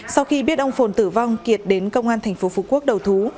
sau khi biết ông phồn tử vong kiệt đến công an thành phố phú quốc đầu thú